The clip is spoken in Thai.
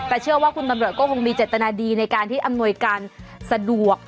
แต่เชื่อว่าคุณตำรวจก็คงมีเจตนาดีในการที่อำนวยการสะดวก